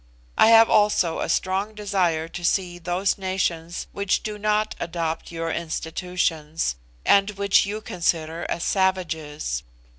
I have also a strong desire to see those nations which do not adopt your institutions, and which you consider as savages.